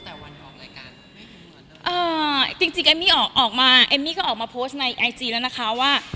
เอ่อจริงจริงเอ็มมี่ออกมาเอ็มมี่ก็ออกมาโพสต์ในไอจีแล้วนะคะว่า